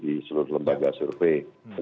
di seluruh lembaga survei